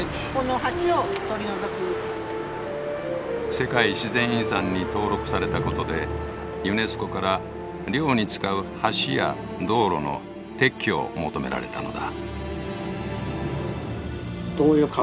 世界自然遺産に登録されたことでユネスコから漁に使う橋や道路の撤去を求められたのだ。